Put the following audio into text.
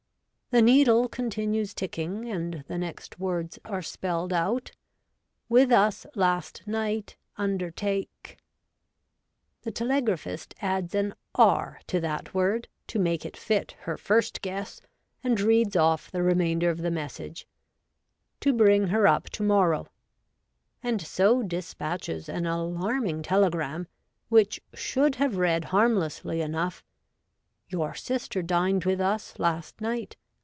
The needle continues ticking and the next words are spelled out, ' with us last night, undertake ' The telegraphist adds an ' r ' to that word to make it fit her first guess, and reads off the remainder of the message, ' to bring her up to morrow,' and so despatches an alarming tele gram, which should have read harmlessly enough, ' Your sister dined with us last niaht.